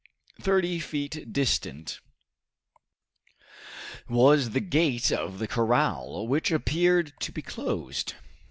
Thirty feet distant was the gate of the corral, which appeared to be closed.